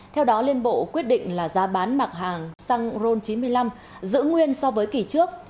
theo đó liên bộ quyết định là giá bán mặt hàng xăng ron chín mươi năm giữ nguyên so với kỳ trước